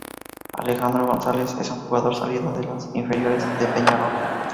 Alejandro González es un jugador salido de las inferiores de Peñarol.